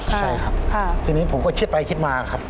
ใช่ครับทีนี้ผมก็คิดไปคิดมาครับ